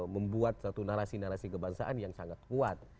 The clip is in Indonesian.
membuat satu narasi narasi kebangsaan yang sangat kuat